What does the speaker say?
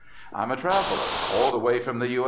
"I'm a traveller all the way from the U.